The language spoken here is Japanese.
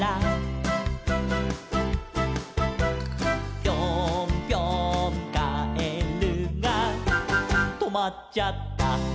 「ぴょんぴょんカエルがとまっちゃった」